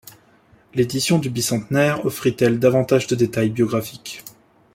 L'édition du bicentenaire offrit-elle davantage de détails biographiques.